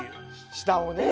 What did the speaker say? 下をね。